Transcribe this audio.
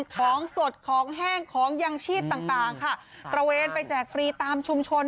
ของสดของแห้งของยังชีพต่างต่างค่ะตระเวนไปแจกฟรีตามชุมชน